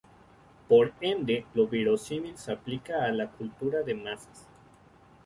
Por ende lo verosímil se aplica a la cultura de masas.